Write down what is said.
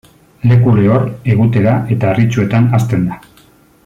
Leku lehor, egutera eta harritsuetan hazten da.